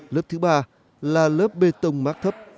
lớp thứ ba là lớp bê tông mắc thấp